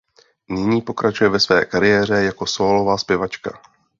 Nyní pokračuje ve své kariéře jako sólová zpěvačka.